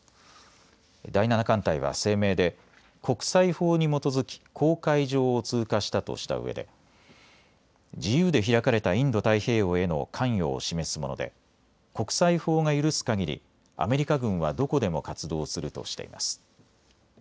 第７艦隊は声明で国際法に基づき公海上を通過したとしたうえで自由で開か開かれたインド太平洋への関与を示すもので国際法が許すかぎりアメリカ軍はどこでも活動するとしています。